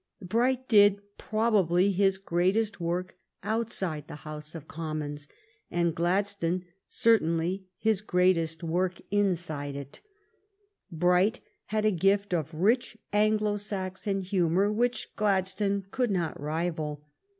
Bright did, probably, his greatest work outside the House of Commons, and Gladstone certainly his greatest GLADSTONE AND BRIGHT i/i work inside it. Bright had a gift of rich Anglo Saxon humor which Gladstone could not rival.